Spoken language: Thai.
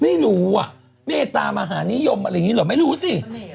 ไม่รู้อ่ะเนตามหานิยมอะไรแบบนี้จริงหรวกไม่รู้สิ